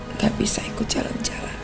nggak bisa ikut jalan jalan